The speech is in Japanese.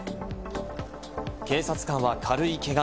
警察官は軽いけが。